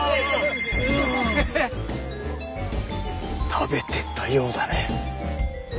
食べてたようだね。